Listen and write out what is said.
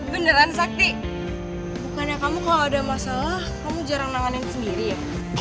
beneran sakti bukannya kamu kalau ada masalah kamu jarang nanganin sendiri ya